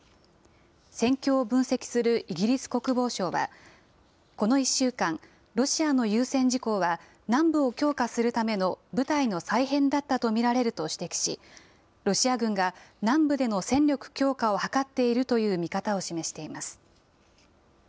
戦況を分析するイギリス国防省は、この１週間、ロシアの優先事項は、南部を強化するための部隊の再編だったとみられると指摘し、ロシア軍が南部での戦力強化を図っているという見方を示しています。